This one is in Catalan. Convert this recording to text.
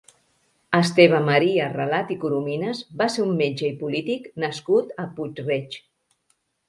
Esteve Maria Relat i Corominas va ser un metge i polític nascut a Puig-reig.